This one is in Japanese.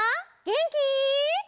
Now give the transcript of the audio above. げんき？